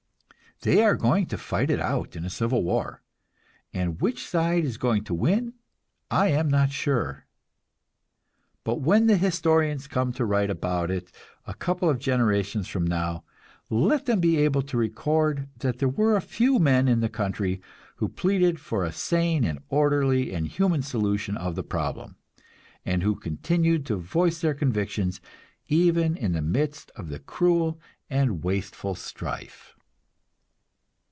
They are going to fight it out in a civil war, and which side is going to win I am not sure. But when the historians come to write about it a couple of generations from now, let them be able to record that there were a few men in the country who pleaded for a sane and orderly and human solution of the problem, and who continued to voice their convictions even in the midst of the cruel and wasteful strife!